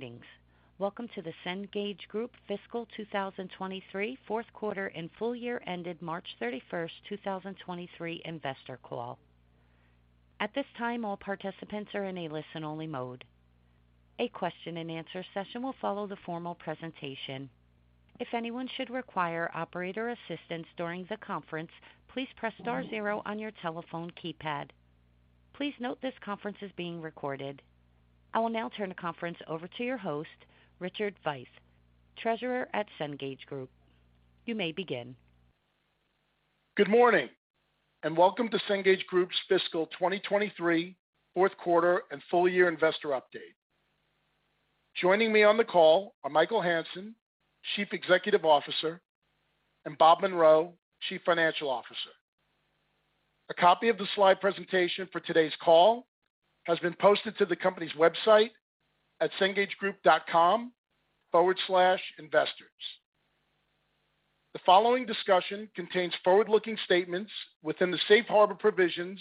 Greetings. Welcome to the Cengage Group fiscal 2023 fourth quarter and full year ended March 31st, 2023, investor call. At this time, all participants are in a listen-only mode. A question-and-answer session will follow the formal presentation. If anyone should require operator assistance during the conference, please press star zero on your telephone keypad. Please note this conference is being recorded. I will now turn the conference over to your host, Richard Veith, treasurer at Cengage Group. You may begin. Good morning, welcome to Cengage Group's fiscal 2023 fourth quarter and full year investor update. Joining me on the call are Michael Hansen, chief executive officer, and Bob Munro, chief financial officer. A copy of the slide presentation for today's call has been posted to the company's website at cengagegroup.com/investors. The following discussion contains forward-looking statements within the Safe Harbor provisions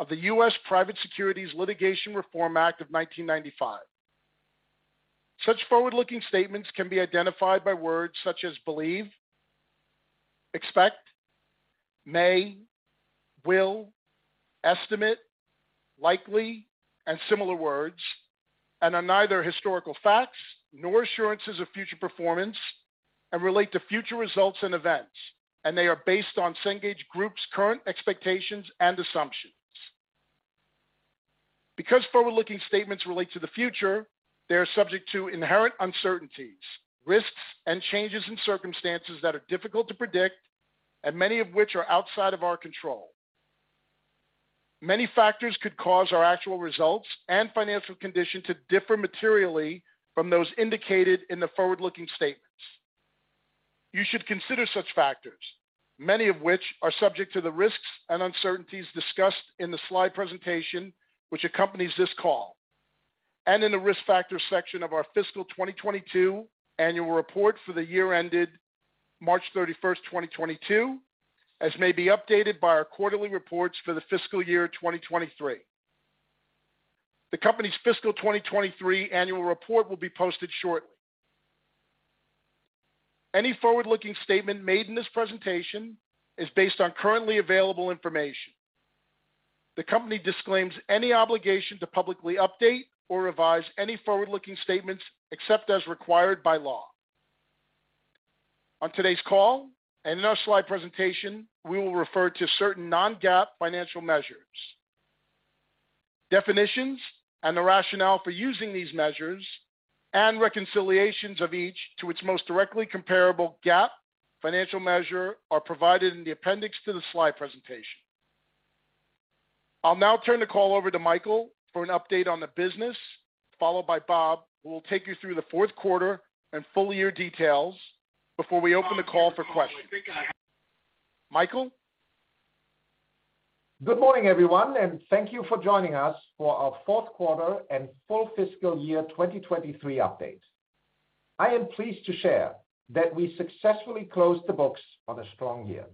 of the U.S. Private Securities Litigation Reform Act of 1995. Such forward-looking statements can be identified by words such as believe, expect, may, will, estimate, likely, and similar words, and are neither historical facts nor assurances of future performance, and relate to future results and events, and they are based on Cengage Group's current expectations and assumptions. Because forward-looking statements relate to the future, they are subject to inherent uncertainties, risks, and changes in circumstances that are difficult to predict, and many of which are outside of our control. Many factors could cause our actual results and financial condition to differ materially from those indicated in the forward-looking statements. You should consider such factors, many of which are subject to the risks and uncertainties discussed in the slide presentation which accompanies this call, and in the Risk Factors section of our fiscal 2022 annual report for the year ended March 31st, 2022, as may be updated by our quarterly reports for the fiscal year 2023. The company's fiscal 2023 annual report will be posted shortly. Any forward-looking statement made in this presentation is based on currently available information. The company disclaims any obligation to publicly update or revise any forward-looking statements, except as required by law. On today's call, and in our slide presentation, we will refer to certain non-GAAP financial measures. Definitions and the rationale for using these measures and reconciliations of each to its most directly comparable GAAP financial measure are provided in the appendix to the slide presentation. I'll now turn the call over to Michael for an update on the business, followed by Bob, who will take you through the fourth quarter and full year details before we open the call for questions. Michael? Good morning, everyone, and thank you for joining us for our fourth quarter and full fiscal year 2023 update. I am pleased to share that we successfully closed the books on a strong year.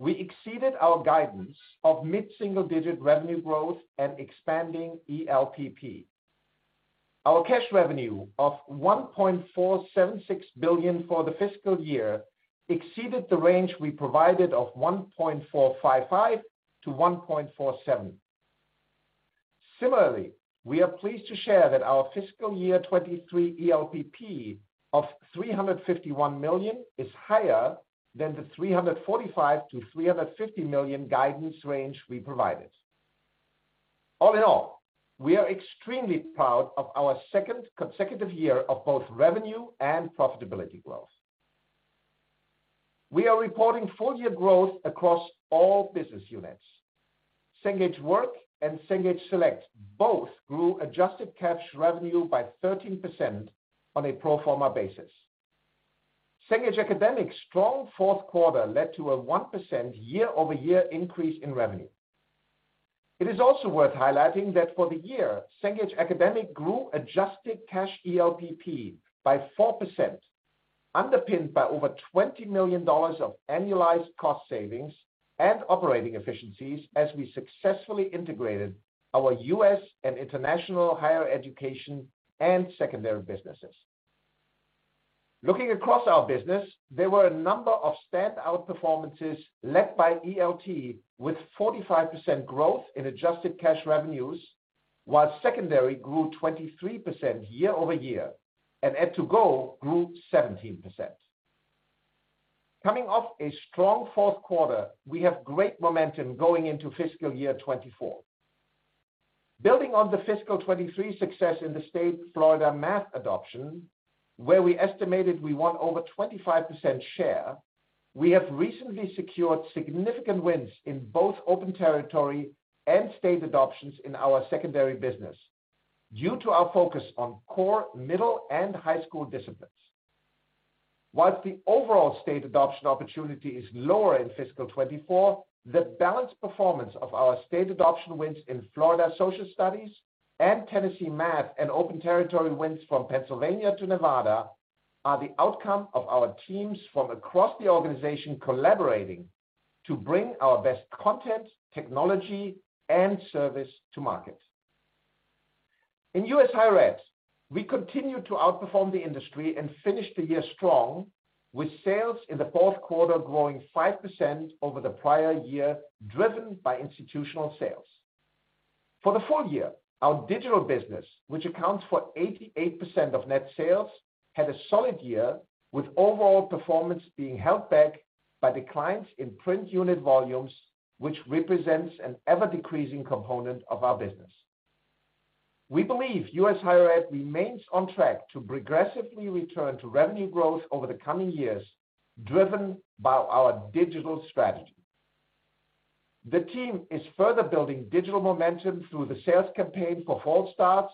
We exceeded our guidance of mid-single-digit revenue growth and expanding ELPP. Our cash revenue of $1.476 billion for the fiscal year exceeded the range we provided of $1.455 billion-$1.47 billion. We are pleased to share that our fiscal year 2023 ELPP of $351 million is higher than the $345 million-$350 million guidance range we provided. We are extremely proud of our second consecutive year of both revenue and profitability growth. We are reporting full year growth across all business units. Cengage Work and Cengage Select both grew adjusted cash revenue by 13% on a pro forma basis. Cengage Academic's strong fourth quarter led to a 1% year-over-year increase in revenue. It is also worth highlighting that for the year, Cengage Academic grew adjusted cash ELPP by 4%, underpinned by over $20 million of annualized cost savings and operating efficiencies as we successfully integrated our U.S. and international higher education and secondary businesses. Looking across our business, there were a number of standout performances led by ELT, with 45% growth in adjusted cash revenues, while Secondary grew 23% year-over-year, and ed2go grew 17%. Coming off a strong fourth quarter, we have great momentum going into fiscal year 2024. Building on the fiscal 2023 success in the State of Florida math adoption, where we estimated we won over 25% share, we have recently secured significant wins in both open territory and state adoptions in our Secondary business due to our focus on core, middle, and high school disciplines. Whilst the overall state adoption opportunity is lower in fiscal 2024, the balanced performance of our state adoption wins in Florida social studies and Tennessee math and open territory wins from Pennsylvania to Nevada are the outcome of our teams from across the organization collaborating to bring our best content, technology, and service to market. In U.S. Higher Ed, we continued to outperform the industry and finished the year strong, with sales in the fourth quarter growing 5% over the prior year, driven by institutional sales. For the full year, our digital business, which accounts for 88% of net sales, had a solid year, with overall performance being held back by declines in print unit volumes, which represents an ever-decreasing component of our business. We believe US Higher Ed remains on track to progressively return to revenue growth over the coming years, driven by our digital strategy. The team is further building digital momentum through the sales campaign for fall starts,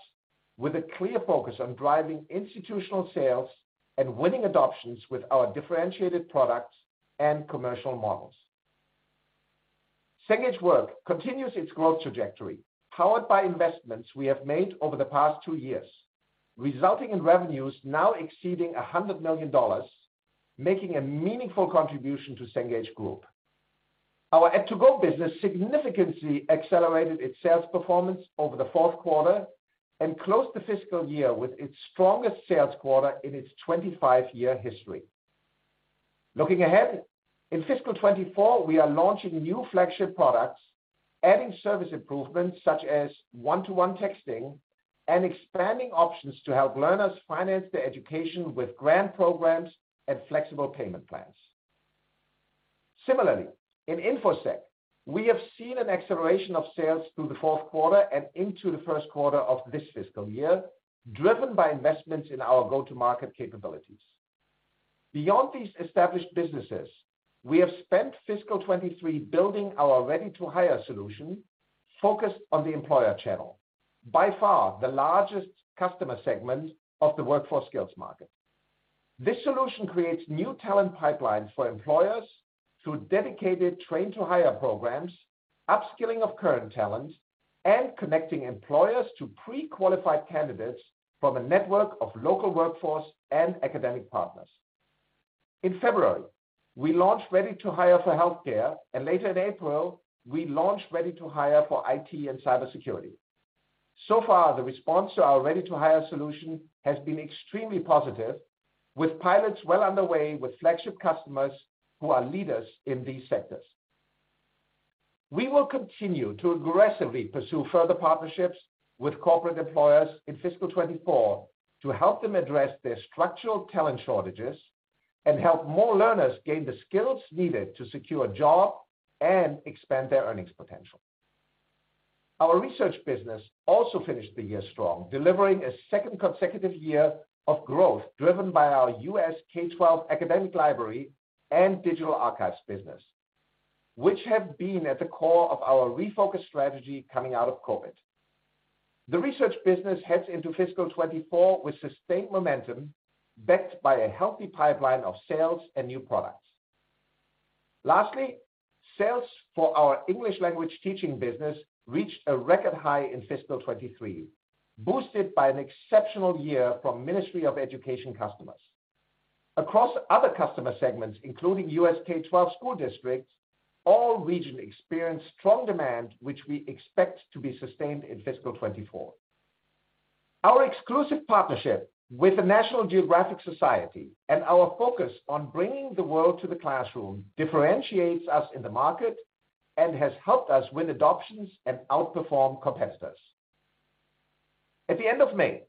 with a clear focus on driving institutional sales and winning adoptions with our differentiated products and commercial models. Cengage Work continues its growth trajectory, powered by investments we have made over the past two years, resulting in revenues now exceeding $100 million, making a meaningful contribution to Cengage Group. Our ed2go business significantly accelerated its sales performance over the fourth quarter and closed the fiscal year with its strongest sales quarter in its 25-year history. Looking ahead, in fiscal 2024, we are launching new flagship products, adding service improvements such as one-to-one texting, and expanding options to help learners finance their education with grant programs and flexible payment plans. Similarly, in Infosec, we have seen an acceleration of sales through the fourth quarter and into the first quarter of this fiscal year, driven by investments in our go-to-market capabilities. Beyond these established businesses, we have spent fiscal 2023 building our Ready to Hire solution, focused on the employer channel, by far the largest customer segment of the workforce skills market. This solution creates new talent pipelines for employers through dedicated train-to-hire programs, upskilling of current talent, and connecting employers to pre-qualified candidates from a network of local workforce and academic partners. In February, we launched Ready to Hire for healthcare, and later in April, we launched Ready to Hire for IT and cybersecurity. So far, the response to our Ready to Hire solution has been extremely positive, with pilots well underway with flagship customers who are leaders in these sectors. We will continue to aggressively pursue further partnerships with corporate employers in fiscal 2024 to help them address their structural talent shortages and help more learners gain the skills needed to secure a job and expand their earnings potential. Our research business also finished the year strong, delivering a second consecutive year of growth, driven by our U.S. K-12 academic library and digital archives business, which have been at the core of our refocused strategy coming out of COVID. The research business heads into fiscal 2024 with sustained momentum, backed by a healthy pipeline of sales and new products. Lastly, sales for our English Language Teaching business reached a record high in fiscal 2023, boosted by an exceptional year from Ministry of Education customers. Across other customer segments, including U.S. K-12 school districts, all regions experienced strong demand, which we expect to be sustained in fiscal 2024. Our exclusive partnership with the National Geographic Society and our focus on bringing the world to the classroom differentiates us in the market and has helped us win adoptions and outperform competitors. At the end of May,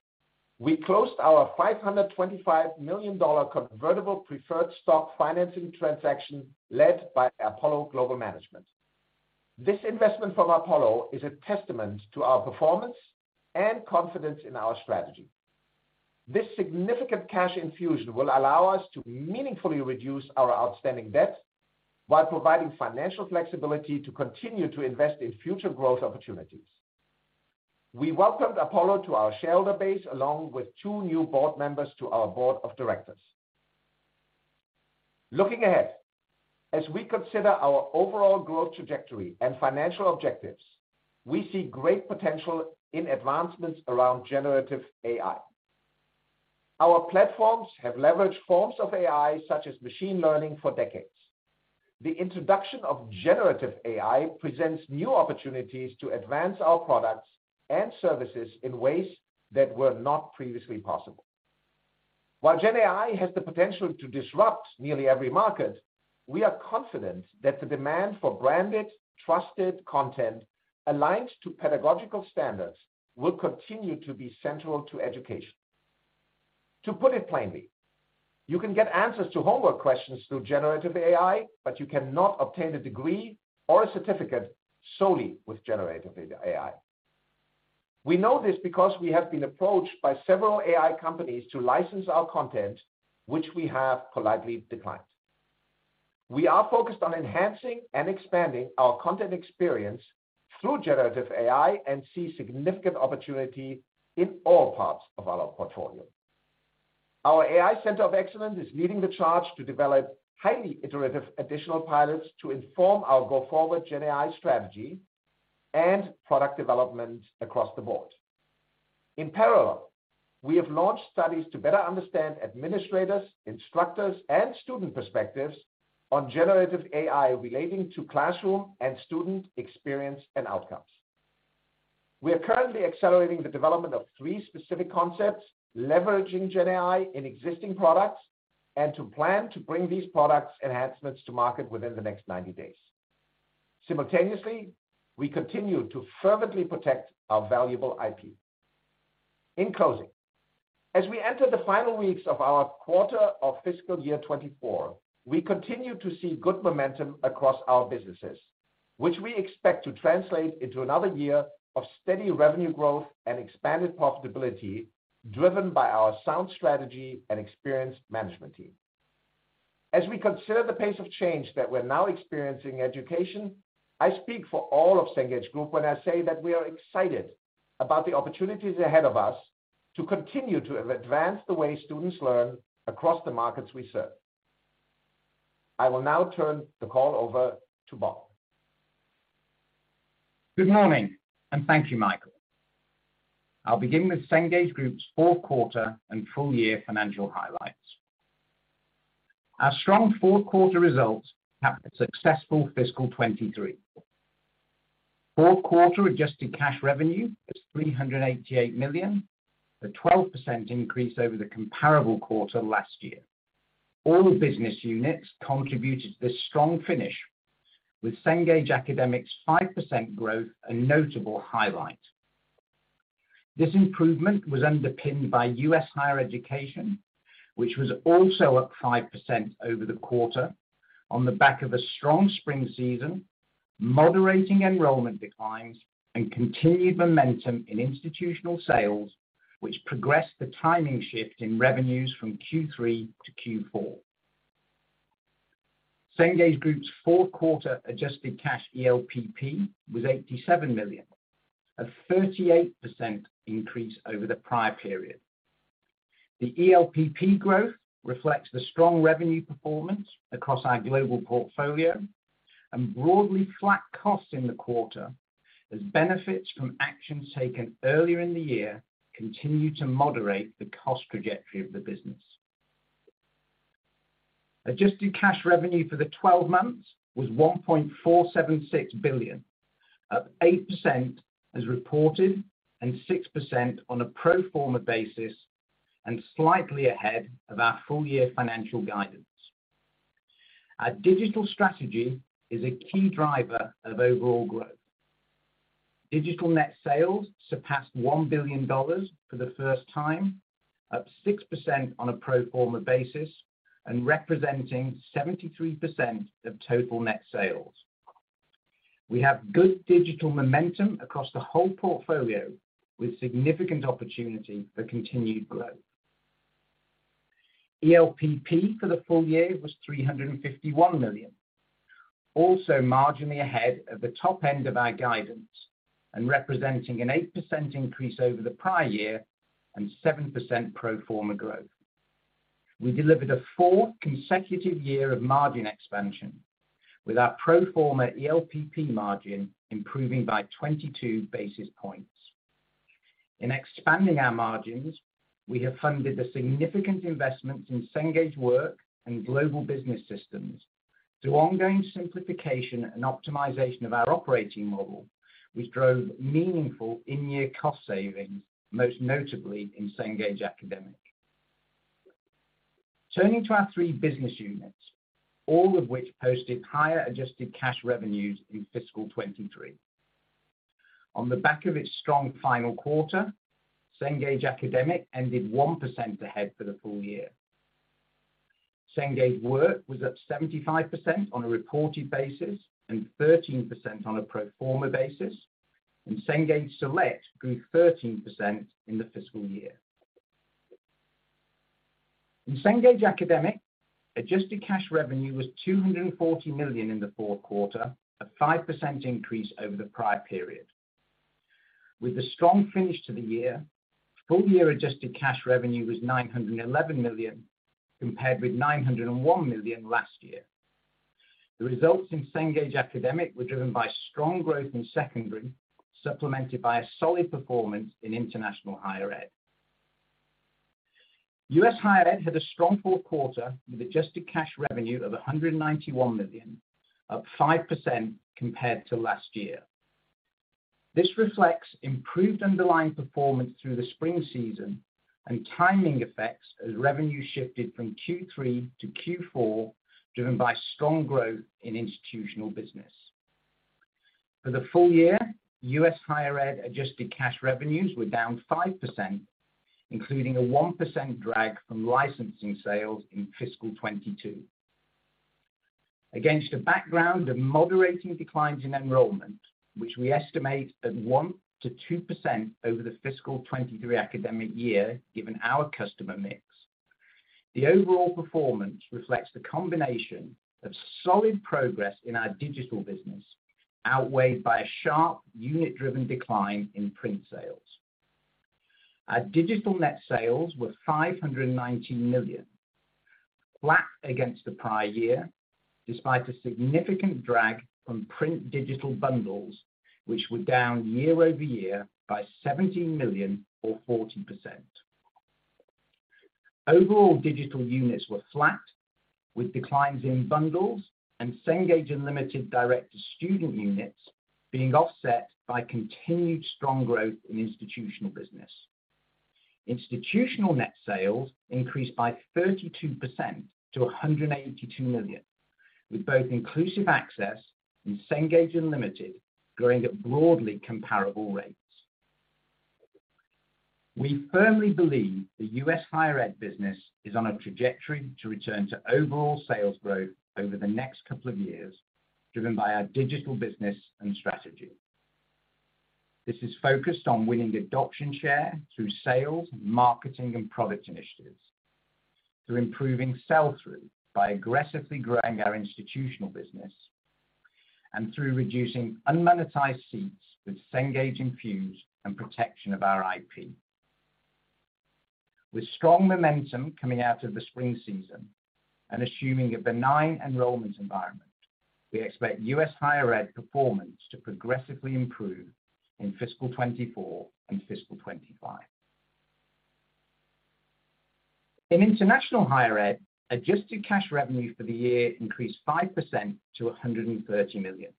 we closed our $525 million convertible preferred stock financing transaction led by Apollo Global Management. This investment from Apollo is a testament to our performance and confidence in our strategy. This significant cash infusion will allow us to meaningfully reduce our outstanding debt while providing financial flexibility to continue to invest in future growth opportunities. We welcomed Apollo to our shareholder base, along with two new board members to our board of directors. Looking ahead, as we consider our overall growth trajectory and financial objectives, we see great potential in advancements around generative AI. Our platforms have leveraged forms of AI, such as machine learning, for decades. The introduction of generative AI presents new opportunities to advance our products and services in ways that were not previously possible. While gen AI has the potential to disrupt nearly every market, we are confident that the demand for branded, trusted content, aligned to pedagogical standards, will continue to be central to education. To put it plainly, you can get answers to homework questions through generative AI, but you cannot obtain a degree or a certificate solely with generative AI. We know this because we have been approached by several AI companies to license our content, which we have politely declined. We are focused on enhancing and expanding our content experience through generative AI and see significant opportunity in all parts of our portfolio. Our AI Center of Excellence is leading the charge to develop highly iterative additional pilots to inform our go-forward gen AI strategy and product development across the board. In parallel, we have launched studies to better understand administrators, instructors, and student perspectives on generative AI relating to classroom and student experience and outcomes. We are currently accelerating the development of three specific concepts, leveraging gen AI in existing products, and to plan to bring these products enhancements to market within the next 90 days. Simultaneously, we continue to fervently protect our valuable IP. In closing, as we enter the final weeks of our quarter of fiscal year 2024, we continue to see good momentum across our businesses, which we expect to translate into another year of steady revenue growth and expanded profitability, driven by our sound strategy and experienced management team. As we consider the pace of change that we're now experiencing in education, I speak for all of Cengage Group when I say that we are excited about the opportunities ahead of us to continue to advance the way students learn across the markets we serve. I will now turn the call over to Bob. Good morning, thank you, Michael. I'll begin with Cengage Group's fourth quarter and full year financial highlights. Our strong fourth quarter results have a successful fiscal 2023. Fourth quarter adjusted cash revenue was $388 million, a 12% increase over the comparable quarter last year. All business units contributed to this strong finish, with Cengage Academic's 5% growth, a notable highlight. This improvement was underpinned by U.S. higher education, which was also up 5% over the quarter on the back of a strong spring season, moderating enrollment declines, and continued momentum in institutional sales, which progressed the timing shift in revenues from Q3 to Q4. Cengage Group's fourth quarter adjusted cash ELPP was $87 million, a 38% increase over the prior period. The ELPP growth reflects the strong revenue performance across our global portfolio and broadly flat costs in the quarter, as benefits from actions taken earlier in the year continue to moderate the cost trajectory of the business. Adjusted cash revenue for the 12 months was $1.476 billion, up 8% as reported, and 6% on a pro forma basis, and slightly ahead of our full year financial guidance. Our digital strategy is a key driver of overall growth. Digital net sales surpassed $1 billion for the first time, up 6% on a pro forma basis and representing 73% of total net sales. We have good digital momentum across the whole portfolio, with significant opportunity for continued growth. ELPP for the full year was $351 million, also marginally ahead of the top end of our guidance, representing an 8% increase over the prior year and 7% pro forma growth. We delivered a fourth consecutive year of margin expansion, with our pro forma ELPP margin improving by 22 basis points. In expanding our margins, we have funded the significant investments in Cengage Work and Global Business Systems through ongoing simplification and optimization of our operating model, which drove meaningful in-year cost savings, most notably in Cengage Academic. Turning to our three business units, all of which posted higher adjusted cash revenues in fiscal 2023. On the back of its strong final quarter, Cengage Academic ended 1% ahead for the full year. Cengage Work was up 75% on a reported basis and 13% on a pro forma basis. Cengage Select grew 13% in the fiscal year. In Cengage Academic, adjusted cash revenue was $240 million in the fourth quarter, a 5% increase over the prior period. With a strong finish to the year, full year adjusted cash revenue was $911 million, compared with $901 million last year. The results in Cengage Academic were driven by strong growth in Secondary, supplemented by a solid performance in international higher ed. U.S. Higher Ed had a strong fourth quarter, with adjusted cash revenue of $191 million, up 5% compared to last year. This reflects improved underlying performance through the spring season and timing effects as revenue shifted from Q3 to Q4, driven by strong growth in institutional business. For the full year, U.S. Higher Ed adjusted cash revenues were down 5%, including a 1% drag from licensing sales in fiscal 2022. Against a background of moderating declines in enrollment, which we estimate at 1%-2% over the fiscal 2023 academic year, given our customer mix, the overall performance reflects the combination of solid progress in our digital business, outweighed by a sharp unit-driven decline in print sales. Our digital net sales were $519 million, flat against the prior year, despite a significant drag from print digital bundles, which were down year-over-year by $17 million or 40%. Overall, digital units were flat, with declines in bundles and Cengage Unlimited direct-to-student units being offset by continued strong growth in institutional business. Institutional net sales increased by 32% to $182 million, with both Inclusive Access and Cengage Unlimited growing at broadly comparable rates. We firmly believe the U.S. Higher Ed business is on a trajectory to return to overall sales growth over the next couple of years, driven by our digital business and strategy. This is focused on winning adoption share through sales, marketing, and product initiatives, through improving sell-through by aggressively growing our institutional business, and through reducing unmonetized seats with Cengage Infuse and protection of our IP. With strong momentum coming out of the spring season and assuming a benign enrollment environment, we expect U.S. Higher Ed performance to progressively improve in fiscal 2024 and fiscal 2025. In International Higher Ed, adjusted cash revenue for the year increased 5% to $130 million.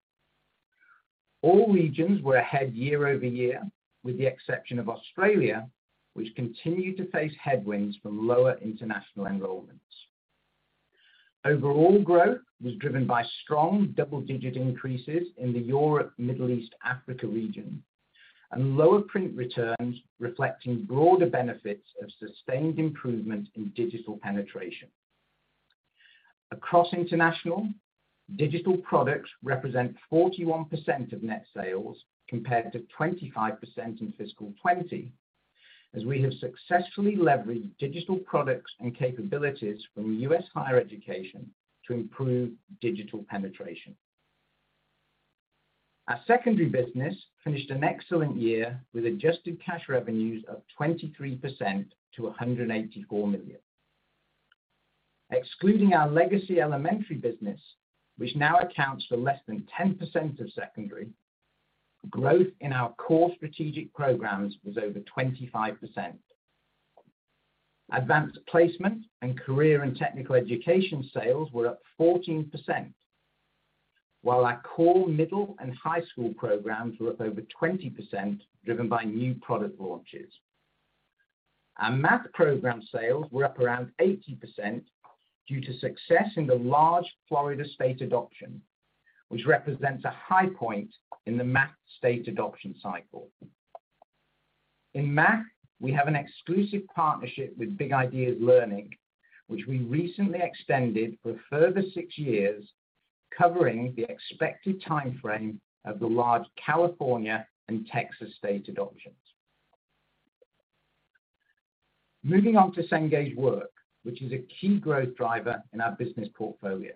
All regions were ahead year-over-year, with the exception of Australia, which continued to face headwinds from lower international enrollments. Overall growth was driven by strong double-digit increases in the Europe, Middle East, Africa region, and lower print returns, reflecting broader benefits of sustained improvement in digital penetration. Across international, digital products represent 41% of net sales, compared to 25% in fiscal 2020, as we have successfully leveraged digital products and capabilities from U.S. Higher Education to improve digital penetration. Our Secondary business finished an excellent year with adjusted cash revenues of 23% to $184 million. Excluding our legacy Elementary business, which now accounts for less than 10% of secondary, growth in our core strategic programs was over 25%. Advanced Placement and Career and Technical Education sales were up 14%, while our core middle and high school programs were up over 20%, driven by new product launches. Our math program sales were up around 80% due to success in the large Florida state adoption, which represents a high point in the math state adoption cycle. In math, we have an exclusive partnership with Big Ideas Learning, which we recently extended for a further six years, covering the expected time frame of the large California and Texas state adoptions. Moving on to Cengage Work, which is a key growth driver in our business portfolio.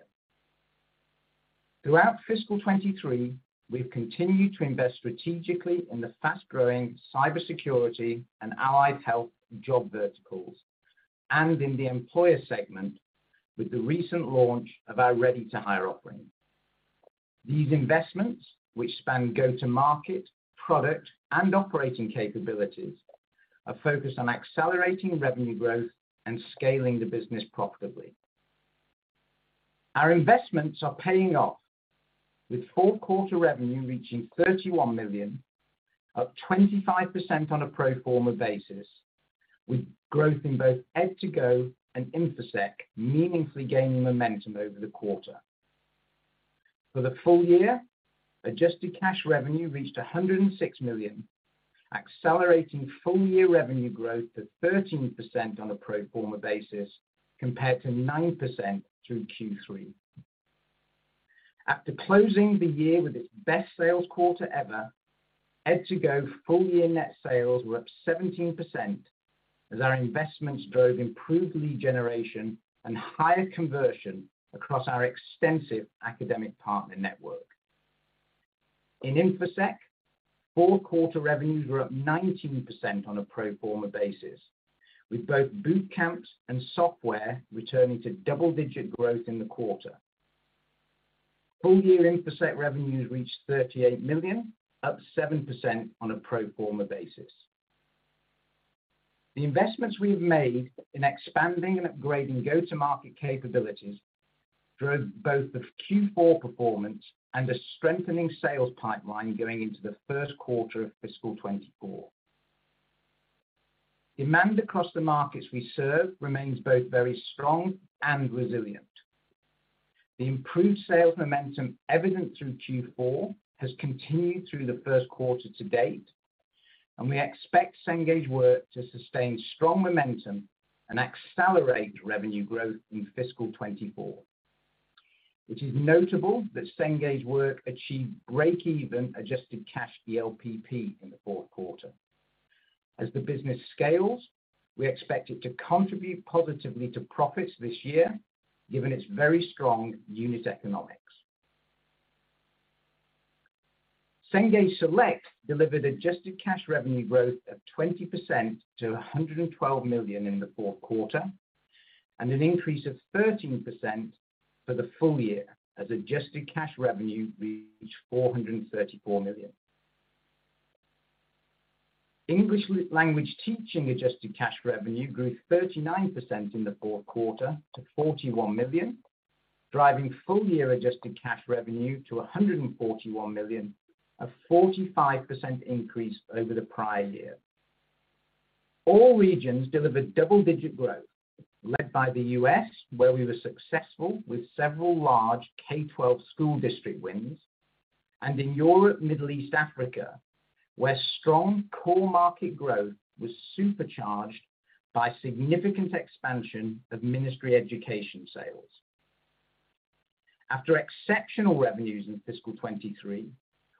Throughout fiscal 2023, we've continued to invest strategically in the fast-growing cybersecurity and allied health job verticals, and in the employer segment with the recent launch of our Ready to Hire offering. These investments, which span go-to-market, product, and operating capabilities, are focused on accelerating revenue growth and scaling the business profitably. Our investments are paying off, with fourth quarter revenue reaching $31 million, up 25% on a pro forma basis, with growth in both ed2go and Infosec meaningfully gaining momentum over the quarter. For the full year, adjusted cash revenue reached $106 million, accelerating full-year revenue growth to 13% on a pro forma basis, compared to 9% through Q3. After closing the year with its best sales quarter ever, ed2go full-year net sales were up 17%, as our investments drove improved lead generation and higher conversion across our extensive academic partner network. In Infosec, full quarter revenues were up 19% on a pro forma basis, with both boot camps and software returning to double-digit growth in the quarter. Full-year Infosec revenues reached $38 million, up 7% on a pro forma basis. The investments we've made in expanding and upgrading go-to-market capabilities drove both the Q4 performance and a strengthening sales pipeline going into the first quarter of fiscal 2024. Demand across the markets we serve remains both very strong and resilient. The improved sales momentum evident through Q4 has continued through the first quarter to date, and we expect Cengage Work to sustain strong momentum and accelerate revenue growth in fiscal 2024. It is notable that Cengage Work achieved break-even adjusted cash ELPP in the fourth quarter. As the business scales, we expect it to contribute positively to profits this year, given its very strong unit economics. Cengage Select delivered adjusted cash revenue growth of 20% to $112 million in the fourth quarter, and an increase of 13% for the full year, as adjusted cash revenue reached $434 million. English Language Teaching adjusted cash revenue grew 39% in the fourth quarter to $41 million, driving full-year adjusted cash revenue to $141 million, a 45% increase over the prior year. All regions delivered double-digit growth, led by the U.S., where we were successful with several large K-12 school district wins, and in Europe, Middle East, Africa, where strong core market growth was supercharged by significant expansion of Ministry of Education sales. After exceptional revenues in fiscal 2023,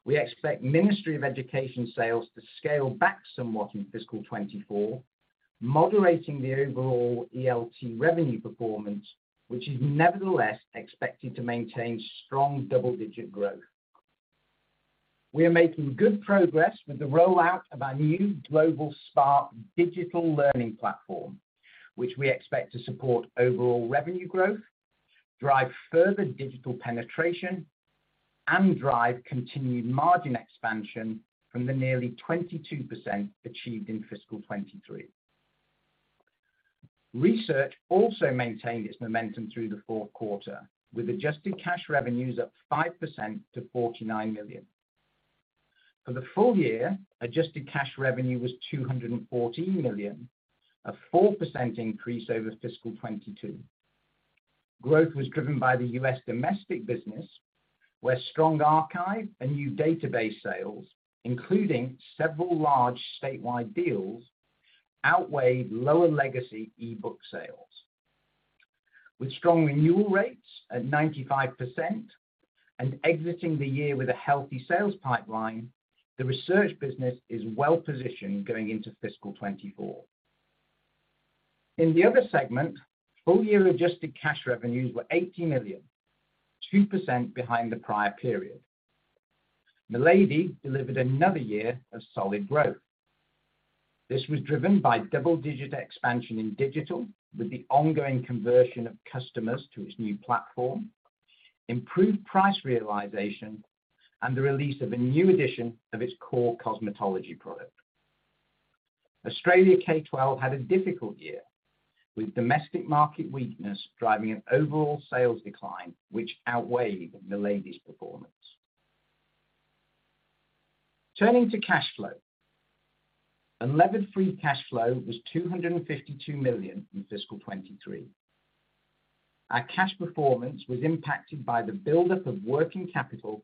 we expect Ministry of Education sales to scale back somewhat in fiscal 2024, moderating the overall ELT revenue performance, which is nevertheless expected to maintain strong double-digit growth. We are making good progress with the rollout of our new global Spark digital learning platform, which we expect to support overall revenue growth, drive further digital penetration, and drive continued margin expansion from the nearly 22% achieved in fiscal 2023. Research also maintained its momentum through the fourth quarter, with adjusted cash revenues up 5% to $49 million. For the full year, adjusted cash revenue was $214 million, a 4% increase over fiscal 2022. Growth was driven by the U.S. domestic business, where strong archive and new database sales, including several large statewide deals, outweighed lower legacy e-book sales. With strong renewal rates at 95% and exiting the year with a healthy sales pipeline, the Research business is well positioned going into fiscal 2024. In the other segment, full-year adjusted cash revenues were $80 million, 2% behind the prior period. Milady delivered another year of solid growth. This was driven by double-digit expansion in digital, with the ongoing conversion of customers to its new platform, improved price realization, and the release of a new edition of its core cosmetology product. Australia K-12 had a difficult year, with domestic market weakness driving an overall sales decline, which outweighed Milady's performance. Turning to cash flow. Unlevered free cash flow was $252 million in fiscal 2023. Our cash performance was impacted by the buildup of working capital,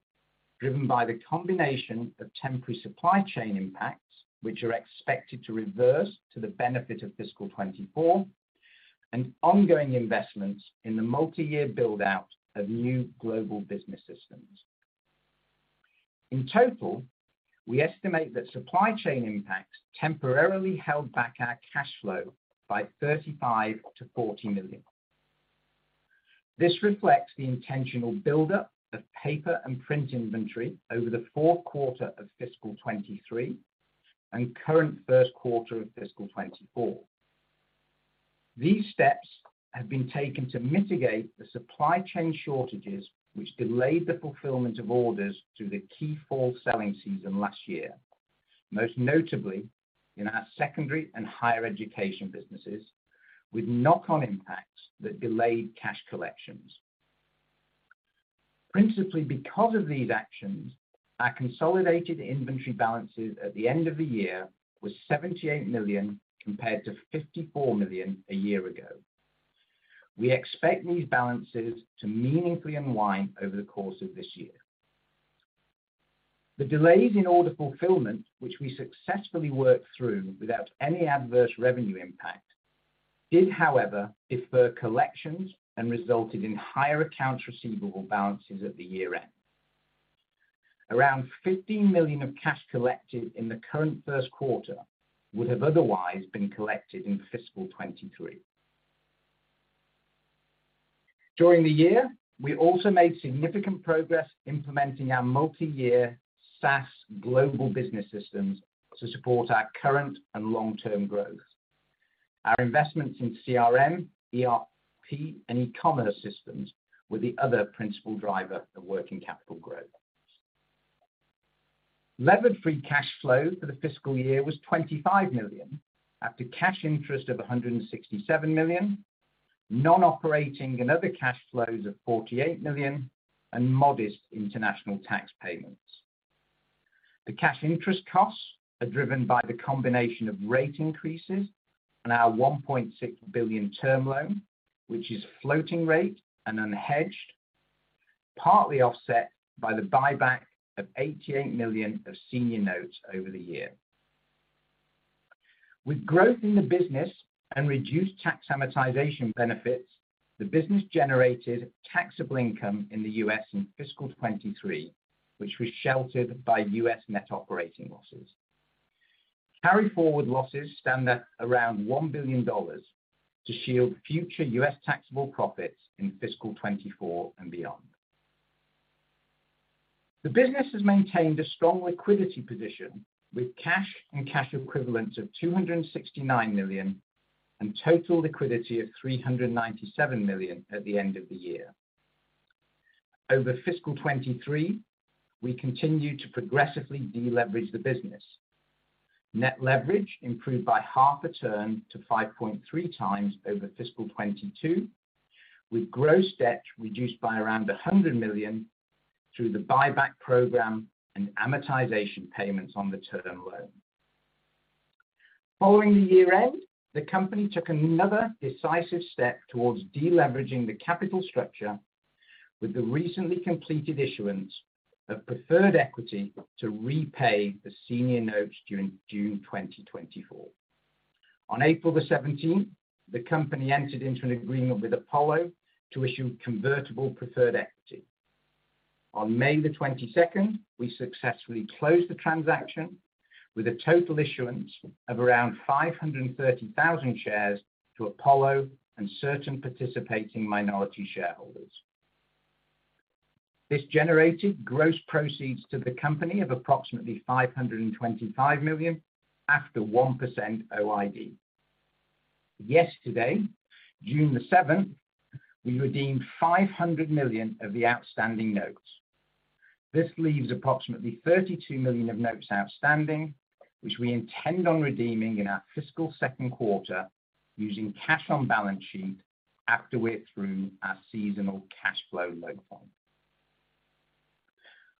driven by the combination of temporary supply chain impacts, which are expected to reverse to the benefit of fiscal 2024, and ongoing investments in the multi-year build-out of new global business systems. In total, we estimate that supply chain impacts temporarily held back our cash flow by $35 million-$40 million. This reflects the intentional buildup of paper and print inventory over the fourth quarter of fiscal 2023 and current first quarter of fiscal 2024. These steps have been taken to mitigate the supply chain shortages, which delayed the fulfillment of orders through the key fall selling season last year, most notably in our secondary and higher education businesses, with knock-on impacts that delayed cash collections. Principally, because of these actions, our consolidated inventory balances at the end of the year was $78 million, compared to $54 million a year ago. We expect these balances to meaningfully unwind over the course of this year. The delays in order fulfillment, which we successfully worked through without any adverse revenue impact, did, however, defer collections and resulted in higher accounts receivable balances at the year-end. Around $15 million of cash collected in the current first quarter would have otherwise been collected in fiscal 2023. During the year, we also made significant progress implementing our multi-year SaaS global business systems to support our current and long-term growth. Our investments in CRM, ERP, and e-commerce systems were the other principal driver of working capital growth. Levered free cash flow for the fiscal year was $25 million, after cash interest of $167 million, non-operating and other cash flows of $48 million, and modest international tax payments. The cash interest costs are driven by the combination of rate increases and our $1.6 billion term loan, which is floating rate and unhedged, partly offset by the buyback of $88 million of senior notes over the year. With growth in the business and reduced tax amortization benefits, the business generated taxable income in the U.S. in fiscal 2023, which was sheltered by U.S. net operating losses. Carry-forward losses stand at around $1 billion to shield future U.S. taxable profits in fiscal 2024 and beyond. The business has maintained a strong liquidity position, with cash and cash equivalents of $269 million, and total liquidity of $397 million at the end of the year. Over fiscal 2023, we continued to progressively deleverage the business. Net leverage improved by half a term to 5.3x over fiscal 2022, with gross debt reduced by around $100 million through the buyback program and amortization payments on the term loan. Following the year-end, the company took another decisive step towards deleveraging the capital structure with the recently completed issuance of preferred equity to repay the senior notes during June 2024. On April 17th, the company entered into an agreement with Apollo to issue convertible preferred equity. On May 22nd, we successfully closed the transaction with a total issuance of around 530,000 shares to Apollo and certain participating minority shareholders. This generated gross proceeds to the company of approximately $525 million after 1% OID. Yesterday, June 7th, we redeemed $500 million of the outstanding notes. This leaves approximately $32 million of notes outstanding, which we intend on redeeming in our fiscal second quarter, using cash on balance sheet after we're through our seasonal cash flow low point.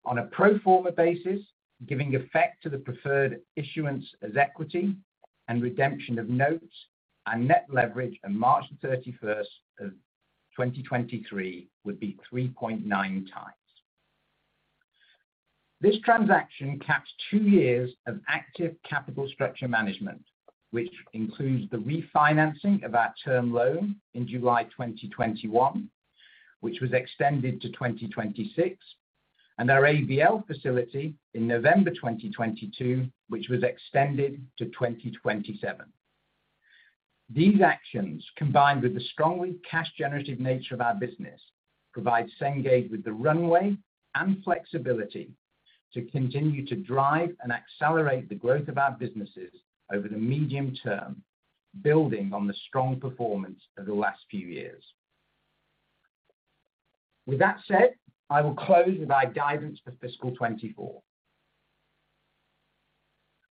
On a pro forma basis, giving effect to the preferred issuance as equity and redemption of notes, our net leverage on March 31st of 2023 would be 3.9x. This transaction caps two years of active capital structure management, which includes the refinancing of our term loan in July 2021, which was extended to 2026, and our ABL facility in November 2022, which was extended to 2027. These actions, combined with the strongly cash generative nature of our business, provide Cengage with the runway and flexibility to continue to drive and accelerate the growth of our businesses over the medium term, building on the strong performance of the last few years. With that said, I will close with our guidance for fiscal 2024.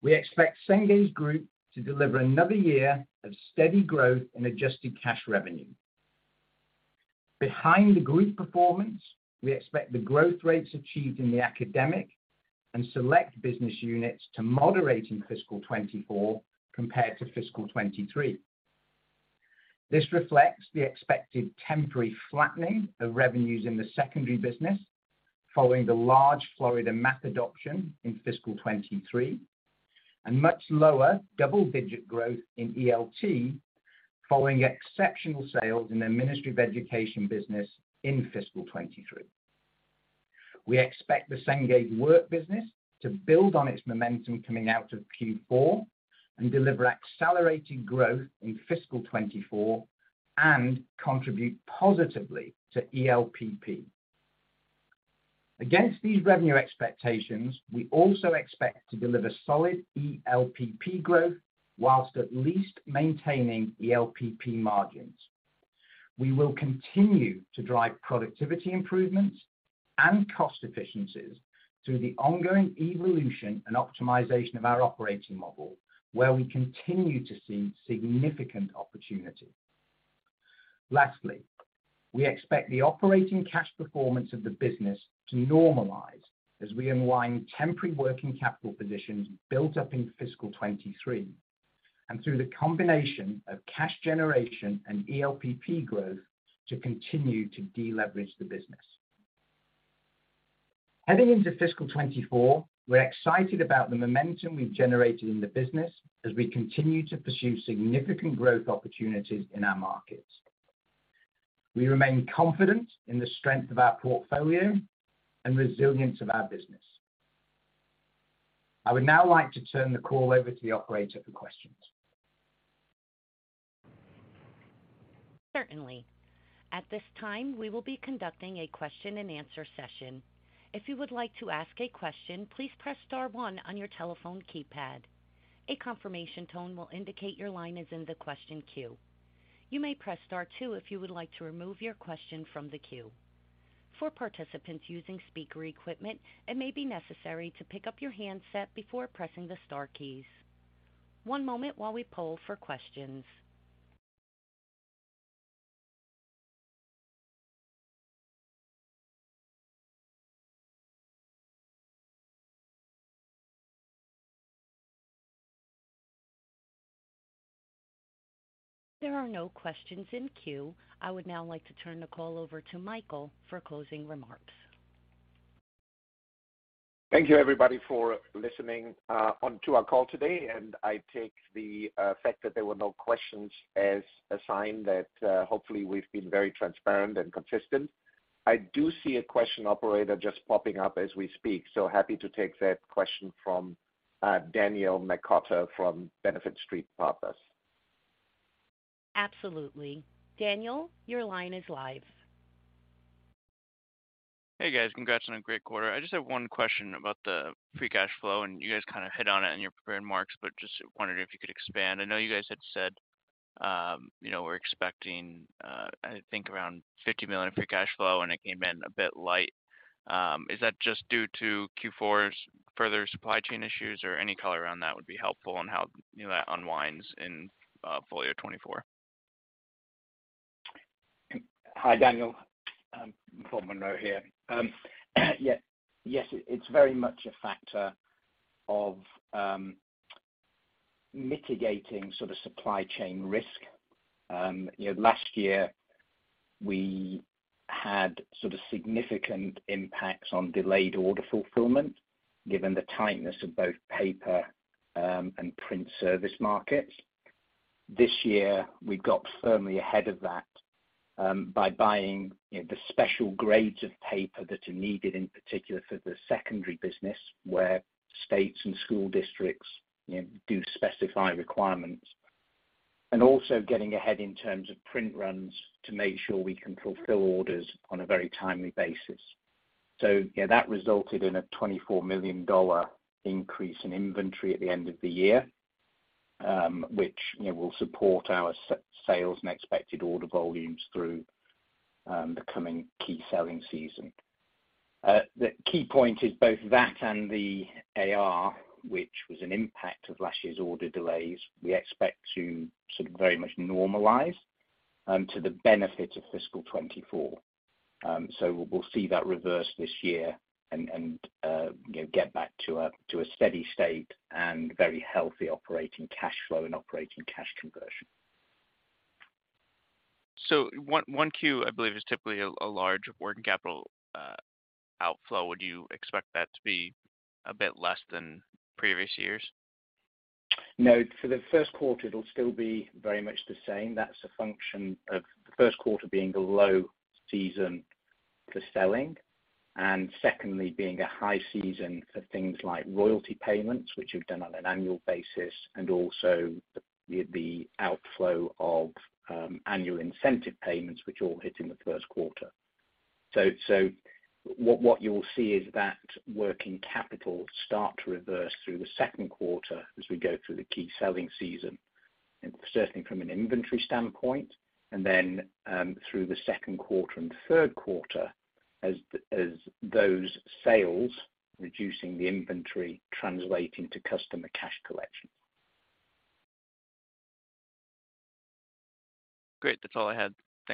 We expect Cengage Group to deliver another year of steady growth in adjusted cash revenue. Behind the group performance, we expect the growth rates achieved in the Academic and Select business units to moderate in fiscal 2024 compared to fiscal 2023. This reflects the expected temporary flattening of revenues in the Secondary business following the large Florida math adoption in fiscal 2023, and much lower double-digit growth in ELT, following exceptional sales in the Ministry of Education business in fiscal 2023. We expect the Cengage Work business to build on its momentum coming out of Q4 and deliver accelerating growth in fiscal 2024 and contribute positively to ELPP. Against these revenue expectations, we also expect to deliver solid ELPP growth, whilst at least maintaining ELPP margins. We will continue to drive productivity improvements and cost efficiencies through the ongoing evolution and optimization of our operating model, where we continue to see significant opportunity. Lastly, we expect the operating cash performance of the business to normalize as we unwind temporary working capital positions built up in fiscal 2023, and through the combination of cash generation and ELPP growth, to continue to deleverage the business. Heading into fiscal 2024, we're excited about the momentum we've generated in the business as we continue to pursue significant growth opportunities in our markets. We remain confident in the strength of our portfolio and resilience of our business. I would now like to turn the call over to the operator for questions. Certainly. At this time, we will be conducting a question-and-answer session. If you would like to ask a question, please press star one on your telephone keypad. A confirmation tone will indicate your line is in the question queue. You may press star two if you would like to remove your question from the queue. For participants using speaker equipment, it may be necessary to pick up your handset before pressing the star keys. One moment while we poll for questions. There are no questions in queue. I would now like to turn the call over to Michael for closing remarks. Thank you, everybody, for listening, on to our call today, and I take the fact that there were no questions as a sign that, hopefully, we've been very transparent and consistent. I do see a question, operator, just popping up as we speak, so happy to take that question from Daniel McCotter from Benefit Street Partners. Absolutely. Daniel, your line is live. Hey, guys. Congrats on a great quarter. I just have one question about the free cash flow, and you guys kind of hit on it in your prepared remarks, but just wondering if you could expand. I know you guys had said, you know, we're expecting, I think around $50 million free cash flow, and it came in a bit light. Is that just due to Q4's further supply chain issues, or any color around that would be helpful on how, you know, that unwinds in full year 2024? Hi, Daniel. Bob Munro here. Yeah. Yes, it's very much a factor of mitigating sort of supply chain risk. You know, last year, we had sort of significant impacts on delayed order fulfillment given the tightness of both paper and print service markets. This year, we got firmly ahead of that by buying, you know, the special grades of paper that are needed, in particular for the secondary business, where states and school districts, you know, do specify requirements. Also getting ahead in terms of print runs to make sure we can fulfill orders on a very timely basis. Yeah, that resulted in a $24 million increase in inventory at the end of the year, which, you know, will support our sales and expected order volumes through the coming key selling season. The key point is both that and the AR, which was an impact of last year's order delays, we expect to sort of very much normalize to the benefit of fiscal 2024. We'll see that reverse this year and, you know, get back to a, to a steady state and very healthy operating cash flow and operating cash conversion. 1Q, I believe, is typically a large working capital outflow. Would you expect that to be a bit less than previous years? No, for the first quarter, it'll still be very much the same. That's a function of the first quarter being a low season for selling, and secondly, being a high season for things like royalty payments, which are done on an annual basis, and also the outflow of annual incentive payments, which all hit in the first quarter. What you will see is that working capital start to reverse through the second quarter as we go through the key selling season, and certainly from an inventory standpoint, and then through the second quarter and third quarter as those sales, reducing the inventory, translating to customer cash collection. Great. That's all I had.